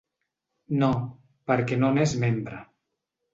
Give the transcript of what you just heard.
No, perquè no n’és membre.